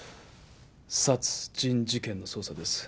殺人事件の捜査です。